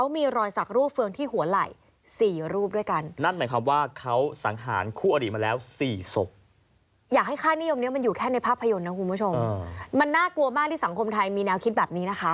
มันน่ากลัวมากที่สังคมไทยมีแนวคิดแบบนี้นะคะ